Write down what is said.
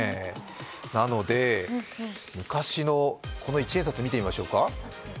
なので、この一円札、見てみましょうか。